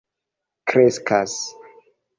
kreskas